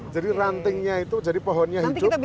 jadi rantingnya itu jadi pohonnya hidup